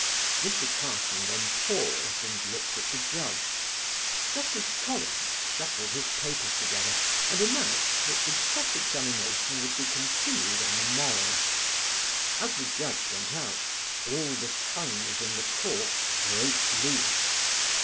Mr. Carson then paused and looked at the Judge. Justice Collins shuffled his papers together and announced that the cross examination would be continued on the morrow. As the Judge went out, all the tongues in the court broke loose.